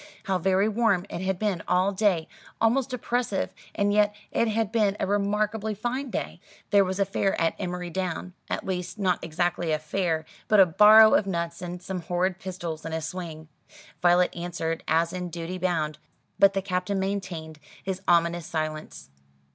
How very warm it had been all day, almost oppressive: and yet it had been a remarkably fine day. There was a fair at Emery Down at least not exactly a fair, but a barrow of nuts and some horrid pistols, and a swing. Violet answered, as in duty bound; but the Captain maintained his ominous silence.